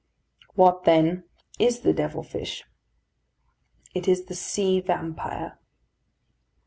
What, then, is the devil fish? It is the sea vampire.